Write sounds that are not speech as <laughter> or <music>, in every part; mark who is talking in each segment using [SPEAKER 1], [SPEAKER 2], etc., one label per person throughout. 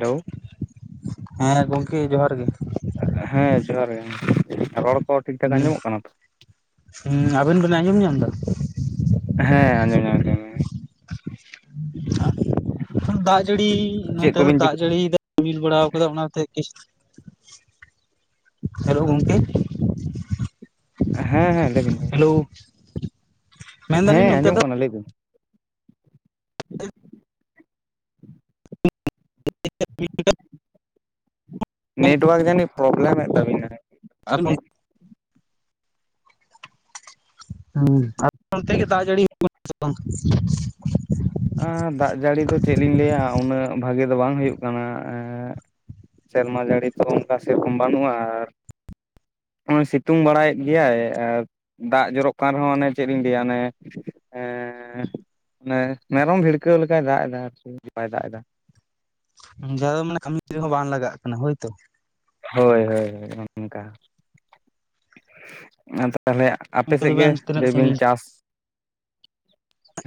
[SPEAKER 1] Hello.
[SPEAKER 2] ᱦᱮᱸ ᱜᱚᱝᱠᱮ ᱡᱚᱦᱟᱨ ᱜᱮ ᱾
[SPEAKER 1] ᱦᱮᱸ ᱡᱚᱦᱟᱨ ᱜᱮ ᱜᱚᱝᱠᱮ, ᱨᱚᱲ ᱠᱚ ᱴᱷᱤᱠ ᱴᱷᱟᱠ ᱟᱸᱡᱚᱢᱚᱜ ᱠᱟᱱᱟ ᱛᱚ?
[SPEAKER 2] ᱦᱮᱸ, ᱟᱵᱮᱱ ᱵᱮᱱ ᱟᱸᱡᱚᱢ ᱧᱟᱢ ᱮᱫᱟ?
[SPEAKER 1] ᱦᱮᱸ ᱟᱸᱡᱚᱢ ᱧᱟᱢ-ᱮᱫ ᱠᱟᱱ ᱜᱮᱭᱟᱞᱤᱧ ᱾ <inaudible>
[SPEAKER 2] ᱫᱟᱜ ᱡᱟᱹᱲᱤ ᱱᱚᱱᱛᱮ ᱫᱚ
[SPEAKER 1] ᱠᱚᱵᱤᱱ
[SPEAKER 2] ᱫᱟᱜ
[SPEAKER 1] ᱪᱤᱠᱟᱹ
[SPEAKER 2] ᱡᱟᱹᱲᱤ ᱮᱫᱟᱭ ᱨᱤᱢᱤᱞ ᱵᱟᱲᱟ ᱟᱠᱟᱫᱟᱭ ᱚᱱᱟᱛᱮ ᱜᱮ <inaudible> <inaudible> ᱦᱮᱞᱳ ᱜᱚᱝᱠᱮ ᱾ <inaudible>
[SPEAKER 1] ᱦᱮᱸ ᱦᱮᱸ ᱞᱟᱹᱭ ᱵᱤᱱ ᱞᱟ. ᱭ ᱵᱤᱱ᱾
[SPEAKER 2] <inaudible> ᱢᱮᱱᱫᱟᱞᱤᱧ
[SPEAKER 1] ᱦᱮᱸ
[SPEAKER 2] ᱱᱚᱱᱛᱮ
[SPEAKER 1] ᱟᱸᱡᱚᱢᱚᱜ
[SPEAKER 2] ᱫᱚ
[SPEAKER 1] ᱠᱟᱱᱟ ᱞᱟᱹᱭ ᱵᱤᱱ᱾
[SPEAKER 2] <inaudible>
[SPEAKER 1] ᱱᱮᱴᱣᱚᱨᱠ ᱡᱟᱱᱤᱡ ᱯᱨᱳᱚᱵᱞᱮᱢ ᱮᱫ ᱛᱟᱵᱤᱱᱟ᱾
[SPEAKER 2] ᱟᱨ <inaudible> ᱦᱮᱸ ᱟᱯᱮ ᱚᱱᱛᱮ ᱜᱮ ᱫᱟᱜ ᱡᱟᱹᱲᱤ ᱦᱩᱭᱩᱜ ᱠᱟᱱ ᱥᱮ ᱵᱟᱝ᱾
[SPEAKER 1] ᱫᱟᱜ ᱡᱟᱹᱲᱤ ᱫᱚ ᱪᱮᱫ ᱞᱤᱧ ᱞᱟᱹᱭᱟ ᱩᱱᱟᱹᱜ ᱵᱷᱟᱜᱤ ᱫᱚ ᱵᱟᱝ ᱦᱩᱭᱩᱜ ᱠᱟᱱᱟ ᱮᱸ᱾ ᱥᱮᱨᱢᱟ ᱡᱟᱹᱲᱤ ᱛᱚ ᱚᱱᱠᱟ ᱥᱮᱨᱚᱠᱚᱢ ᱵᱟᱹᱱᱩᱜᱼᱟ ᱟᱨ ᱱᱚᱜᱼᱚᱭ ᱥᱤᱛᱩᱝ ᱵᱟᱲᱟᱭᱮᱫ ᱜᱮᱭᱟᱭ ᱟᱨ ᱫᱟᱜ ᱡᱚᱨᱚᱜ ᱠᱟᱱ ᱨᱮᱦᱚᱸ ᱚᱱᱮ ᱪᱮᱫ ᱤᱧ ᱞᱟᱹᱭᱟ ᱚᱱᱮ ᱚᱱᱮ ᱢᱮᱨᱚᱢ ᱵᱷᱤᱲᱠᱟᱹᱣ ᱞᱮᱠᱟᱭ ᱫᱟᱜ ᱮᱫᱟ ᱟᱨᱠᱤ ᱵᱟᱭ ᱫᱟᱜ ᱮᱫᱟ᱾
[SPEAKER 2] ᱡᱟᱸᱦᱟ ᱫᱚ ᱢᱟᱱᱮ ᱠᱟᱹᱢᱤ ᱨᱮᱦᱚ ᱵᱟᱝ ᱞᱟᱜᱟᱜ ᱠᱟᱱᱟ ᱦᱳᱭᱛᱚ᱾
[SPEAKER 1] ᱦᱳᱭ ᱦᱳᱭ ᱦᱳᱭ ᱚᱱᱮ ᱱᱚᱝᱠᱟ ᱟᱫᱚ ᱛᱟᱦᱚᱞᱮ, ᱟᱯᱮ
[SPEAKER 2] ᱚᱱᱛᱮ
[SPEAKER 1] ᱥᱮᱫ ᱜᱮ
[SPEAKER 2] ᱫᱚᱵᱮᱱ ᱛᱤᱱᱟᱹᱜ
[SPEAKER 1] ᱞᱟᱹᱭ ᱵᱤᱱ
[SPEAKER 2] ᱥᱟᱺᱜᱤᱧ
[SPEAKER 1] ᱪᱟᱥ᱾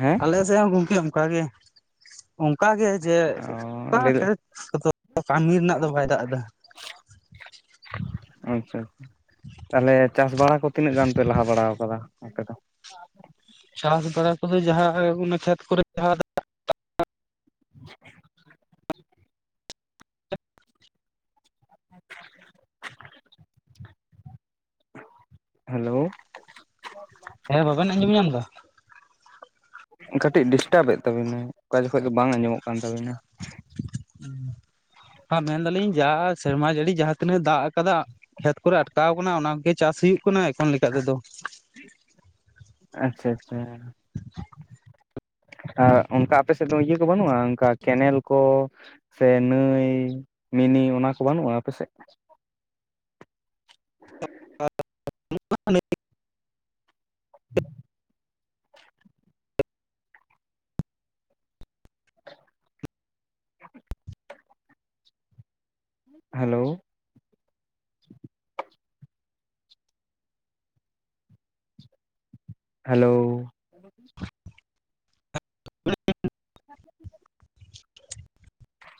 [SPEAKER 1] ᱦᱮᱸ
[SPEAKER 2] ᱟᱞᱮ ᱥᱮᱡ ᱦᱚᱸ ᱜᱚᱝᱠᱮ ᱚᱱᱠᱟ ᱜᱮ ᱚᱱᱠᱟ ᱜᱮ ᱡᱮ
[SPEAKER 1] ᱚ ᱞᱟᱹᱭ
[SPEAKER 2] <inaudible> <inaudible> ᱠᱟᱹᱢᱤ ᱨᱮᱱᱟᱜ ᱫᱚ ᱵᱟᱭ ᱫᱟᱜ ᱮᱫᱟ᱾
[SPEAKER 1] ᱟᱪᱪᱷᱟ ᱟᱪᱪᱷᱟ ᱛᱟᱦᱚᱞᱮ ᱪᱟᱥ ᱵᱟᱲᱟ ᱠᱚ ᱛᱤᱱᱟᱹᱜ ᱜᱟᱱ ᱯᱮ ᱞᱟᱦᱟ ᱵᱟᱲᱟᱶ ᱟᱠᱟᱫᱟ ᱟᱯᱮ ᱫᱚ?
[SPEAKER 2] ᱪᱟᱥ ᱵᱟᱲᱟ ᱠᱚᱫᱚ ᱡᱟᱸᱦᱟᱸ ᱦᱚᱭᱩᱜ ᱠᱟᱱᱟ ᱠᱷᱮᱛ ᱠᱚᱨᱮ ᱡᱟᱸᱦᱟ
[SPEAKER 1] <inaudible> ᱦᱮᱞᱳ
[SPEAKER 2] ᱦᱮᱸ ᱵᱟᱵᱮᱱ ᱟᱹᱡᱚᱢ ᱧᱟᱢ ᱮᱫᱟ᱾
[SPEAKER 1] ᱠᱟᱹᱴᱤᱡ ᱰᱤᱥᱴᱟᱵ ᱮ ᱛᱟᱵᱤᱱᱟᱭ, ᱚᱠᱟ ᱡᱚᱠᱷᱚᱡ ᱫᱚ ᱵᱟᱝ ᱟᱸᱡᱚᱢᱚᱜ ᱠᱟᱱ ᱛᱟᱹᱵᱤᱱᱟ᱾
[SPEAKER 2] ᱟ ᱢᱮᱱᱫᱟᱞᱤᱧ ᱥᱮᱨᱢᱟ ᱡᱟᱹᱲᱤ ᱡᱟᱸᱦᱟᱸ ᱛᱤᱱᱟᱹᱜ ᱫᱟᱜ ᱟᱠᱟᱫᱟ ᱠᱷᱮᱛ ᱠᱚᱨᱮ ᱟᱴᱠᱟᱣ ᱟᱠᱟᱱᱟ ᱚᱱᱟ ᱜᱮ ᱪᱟᱥ ᱦᱩᱭᱩᱜ ᱠᱟᱱᱟ ᱮᱠᱷᱚᱱ ᱞᱮᱠᱟ ᱛᱮᱫᱚ᱾
[SPEAKER 1] ᱟᱪᱪᱷᱟ ᱟᱪᱪᱷᱟ
[SPEAKER 2] <inaudible>
[SPEAKER 1] ᱟᱨ ᱚᱱᱠᱟ ᱟᱯᱮ ᱥᱮᱫ ᱫᱚ ᱤᱭᱟᱹ ᱠᱚ ᱵᱟᱹᱱᱩᱜᱼᱟ ᱚᱱᱠᱟ ᱠᱮᱱᱮᱞ ᱠᱚ᱾ ᱥᱮ ᱱᱟᱹᱭ ᱢᱤᱱᱤ ᱚᱱᱟ ᱠᱚ ᱵᱟᱹᱱᱩᱜᱼᱟ ᱟᱯᱮ ᱥᱮᱫ᱾
[SPEAKER 2] ᱵᱟᱹᱱᱩᱜᱼᱟ ᱱᱤᱛ
[SPEAKER 1] <inaudible> ᱦᱮᱞᱳ ᱦᱮᱞᱳ <inaudible>
[SPEAKER 2] <inaudible>
[SPEAKER 1] <inaudible>